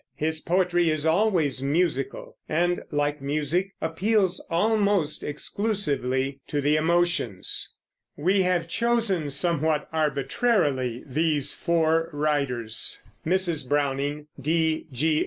His poetry is always musical, and, like music, appeals almost exclusively to the emotions. We have chosen, somewhat arbitrarily, these four writers Mrs. Browning, D. G.